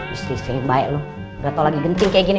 istri istri yang baik lu gak tau lagi genting kayak gini